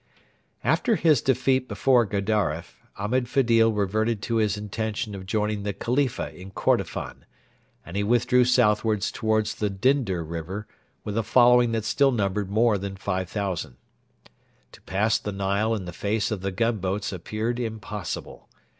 After his defeat before Gedaref, Ahmed Fedil reverted to his intention of joining the Khalifa in Kordofan, and he withdrew southwards towards the Dinder river with a following that still numbered more than 5,000. To pass the Nile in the face of the gunboats appeared impossible.